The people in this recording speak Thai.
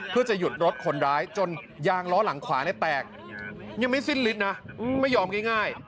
เพื่อจะหยุดรถคนร้ายจนยางล้อหลังขวาเนี่ยแตกยังไม่สิ้นฤทธินะไม่ยอมง่าย